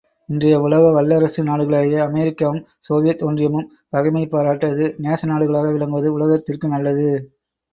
இன்றைய உலக வல்லரசு நாடுகளாகிய அமெரிக்காவும் சோவியத் ஒன்றியமும் பகைமை பாராட்டாது நேச நாடுகளாக விளங்குவது உலகத்திற்கு நல்லது.